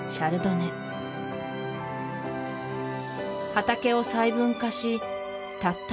畑を細分化したった